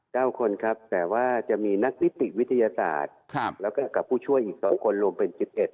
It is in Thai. คนครับแต่ว่าจะมีนักนิติวิทยาศาสตร์ครับแล้วก็กับผู้ช่วยอีกสองคนรวมเป็นสิบเอ็ด